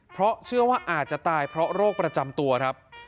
เพราะเชื่อว่าอาจจะตายเพราะโรคประจำตัวครับ